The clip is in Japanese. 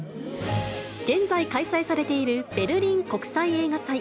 現在、開催されているベルリン国際映画祭。